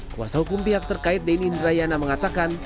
kuasa hukum pihak terkait denny indrayana mengatakan